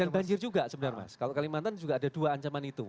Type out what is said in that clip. dan banjir juga sebenarnya mas kalau kalimantan juga ada dua ancaman itu